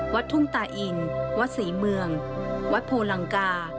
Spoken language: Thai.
วัดทุ่งตาอินวัดศรีเมืองวัดโพลังกา